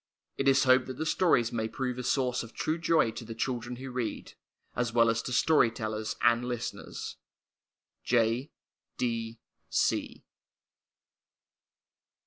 It is hoped that the stories may prove a source of true joy to the children who read, as well as to story tellers and listeners. J.